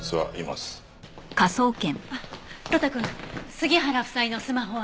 あっ呂太くん杉原夫妻のスマホは？